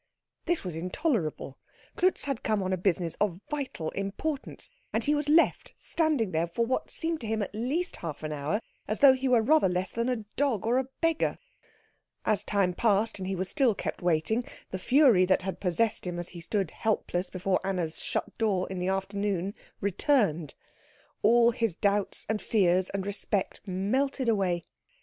This was intolerable. Klutz had come on business of vital importance, and he was left standing there for what seemed to him at least half an hour, as though he were rather less than a dog or a beggar. As time passed, and he still was kept waiting, the fury that had possessed him as he stood helpless before Anna's shut door in the afternoon, returned. All his doubts and fears and respect melted away.